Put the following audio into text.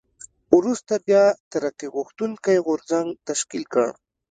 وروسته بیا ترقي غوښتونکی غورځنګ تشکیل کړ.